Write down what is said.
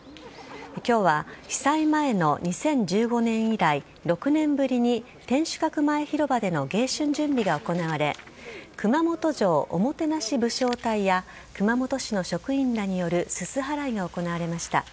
きょうは被災前の２０１５年以来、６年ぶりに天守閣前広場での迎春準備が行われ、熊本城おもてなし武将隊や、熊本市の職員らによるすす払いが行われました。